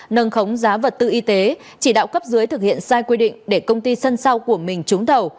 nâng khống giá vật tư y tế chỉ đạo cấp dưới thực hiện sai quy định để công ty sân sau của mình trúng thầu